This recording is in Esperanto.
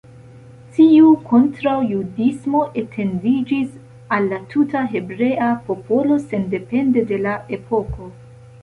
Tiu kontraŭjudismo etendiĝis al la tuta hebrea popolo sendepende de la epoko.